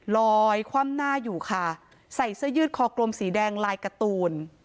คว่ำหน้าอยู่ค่ะใส่เสื้อยืดคอกลมสีแดงลายการ์ตูน